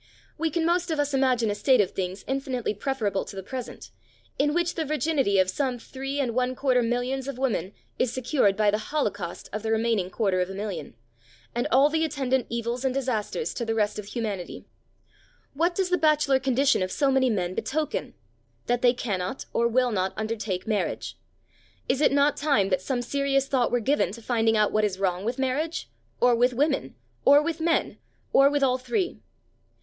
We can most of us imagine a state of things infinitely preferable to the present, in which the virginity of some 3¼ millions of women is secured by the holocaust of the remaining quarter of a million, and all the attendant evils and disasters to the rest of humanity. What does the bachelor condition of so many men betoken? That they cannot, or will not undertake marriage. Is it not time that some serious thought were given to finding out what is wrong with marriage, or with women, or with men, or with all three?